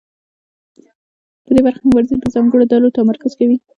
په دې برخه کې مبارزین پر ځانګړو ډلو تمرکز کوي.